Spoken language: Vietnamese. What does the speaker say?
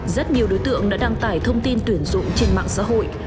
rất nhiều đối tượng đã đăng tải thông tin tuyển dụng trên mạng xã hội